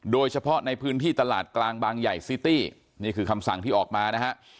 โดยเฉพาะในพื้นที่ตลาดกลางบางใหญ่ซิตี้นี่คือคำสั่งที่ออกมานะฮะ